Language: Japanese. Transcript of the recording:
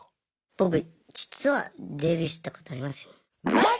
僕実はデビューしたことありますよ。